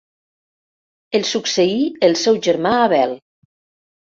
El succeí el seu germà Abel.